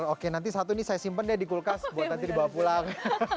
oke nanti satu ini saya simpan deh di kulkas buat nanti dibawa pulang